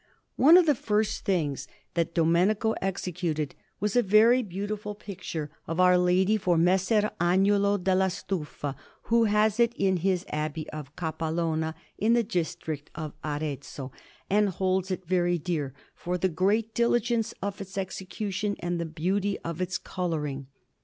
One of the first things that Domenico executed was a very beautiful picture of Our Lady for Messer Agnolo della Stufa, who has it in his Abbey of Capalona in the district of Arezzo, and holds it very dear for the great diligence of its execution and the beauty of its colouring.